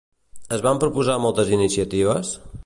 Es van proposar moltes iniciatives?